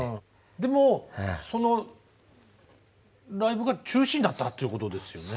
でもそのライブが中止になったということですよね。